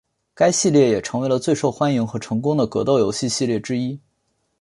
该系列也成为了最受欢迎和成功的格斗游戏系列之一。